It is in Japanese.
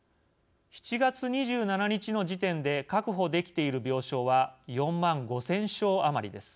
７月２７日の時点で確保できている病床は４万５，０００床余りです。